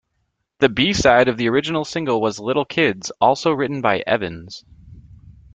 The B-side of the original single was "Little Kids", also written by Evans.